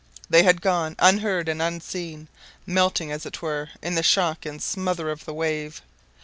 They had gone unheard and unseen, melting, as it were, in the shock and smother of the wave.